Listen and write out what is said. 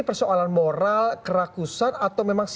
ini persoalan moral keragusan atau memang sisa